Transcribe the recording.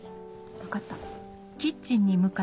分かった。